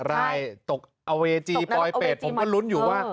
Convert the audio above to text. รายตกเอาเวจีปลอยเป็ดผมก็ลุ้นอยู่ว่า